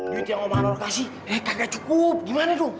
duit yang om anwar kasih eh kagak cukup gimana tuh